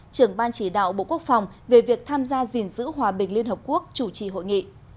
trưởng ban chỉ đạo bộ quốc phòng về việc tham gia gìn giữ hòa bình liên hợp quốc chủ trì hội nghị